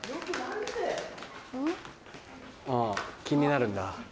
あぁ気になるんだ。